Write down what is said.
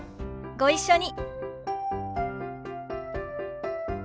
ご一緒に。